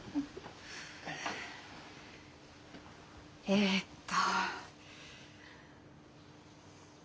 えっと。